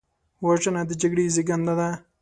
وژنه د جګړې زیږنده ده